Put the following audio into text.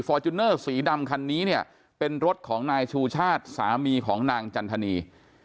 จูเนอร์สีดำคันนี้เนี่ยเป็นรถของนายชูชาติสามีของนางจันทนี